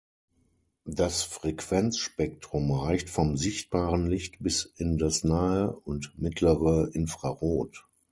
Das Frequenzspektrum reicht vom sichtbaren Licht bis in das nahe und mittlere Infrarot.